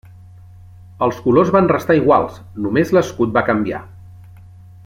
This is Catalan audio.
Els colors van restar iguals, només l'escut va canviar.